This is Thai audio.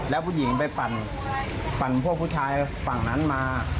แล้วผู้หญิงไปปั่นพวกผู้ชายฝั่งนั้นมา